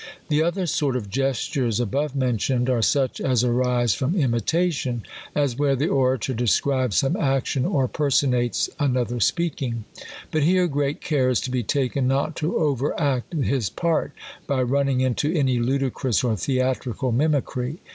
The other sort of gestures above mentioned are such as arise from imita tion ; as where the orator describes some action, or personates another speaking. But here great care is to be taken not to overact his part by running into any ludicrous or theatrical mimicry.